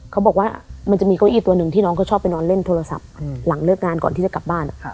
เขาบอกว่ามันจะมีเก้าอี้ตัวหนึ่งที่น้องเขาชอบไปนอนเล่นโทรศัพท์หลังเลิกงานก่อนที่จะกลับบ้าน